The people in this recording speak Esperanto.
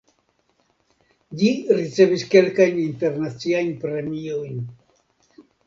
Ĝi ricevis kelkajn internaciajn premiojn.